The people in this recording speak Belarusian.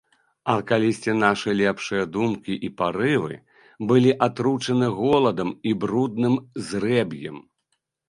А калісьці нашы лепшыя думкі і парывы былі атручаны голадам і брудным зрэб'ем.